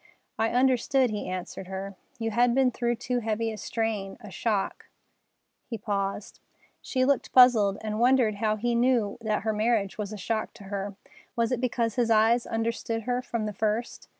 "I understood," he answered her. "You had been through too heavy a strain, a shock——" He paused. She looked puzzled, and wondered how he knew that her marriage was a shock to her. Was it because his eyes understood her from the first?